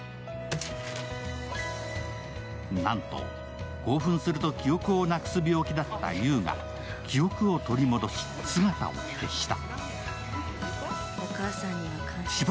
なんと、興奮すると記憶をなくす病気だった優が記憶を取り戻し、姿を消した。